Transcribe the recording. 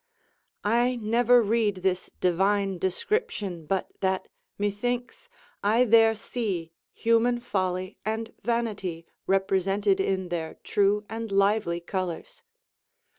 I never read this divine description but that, methinks, I there see human folly and vanity represented in their true and lively colours.